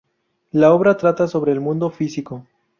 La obra trata sobre el mundo físico.